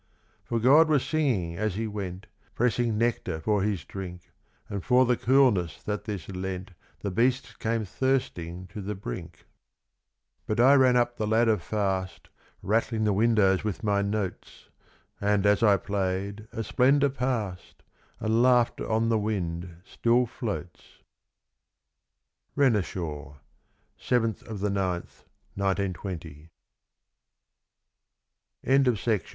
For God was singing as He went Pj essing nectar for His drink, And for the coolness that this lent The beasts came thirsting to the brink. But I ran up the ladder fast, Rattling the windows with my notes; And as I played, a splendour passed. And laughter on the wind still floats. Renishaw. 7.9.20. 41 CHARLES ORANGE. BAROUCHES NOIRES.